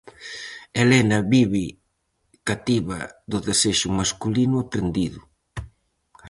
Helena vive cativa do desexo masculino aprendido.